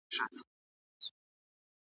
استاد د شاګرد د مقالي لومړنۍ بڼه اصلاح کړه.